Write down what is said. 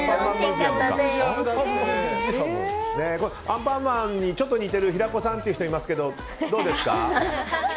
アンパンマンにちょっと似てる平子さんという人がいますけどどうですか？